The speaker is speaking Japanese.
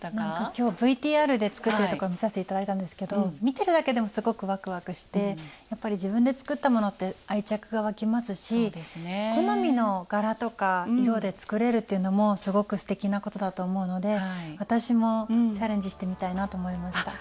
今日ＶＴＲで作ってるとこ見さして頂いたんですけど見てるだけでもすごくワクワクしてやっぱり自分で作ったものって愛着が湧きますし好みの柄とか色で作れるっていうのもすごくすてきなことだと思うので私もチャレンジしてみたいなと思いました。